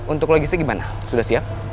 untuk logistik gimana sudah siap